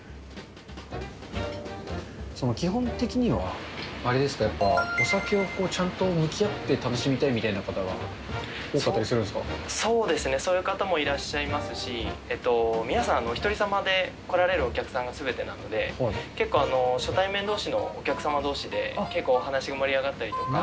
その基本的には、あれですか、やっぱお酒とちゃんと向き合って楽しみたいみたいな方が、多かっそうですね、そういう方もいらっしゃいますし、皆さん、おひとり様で来られるお客さんがすべてなので、結構初対面どうしのお客様どうしで結構お話が盛り上がったりとか。